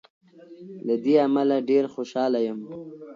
له دې امله ډېر خوشاله یم.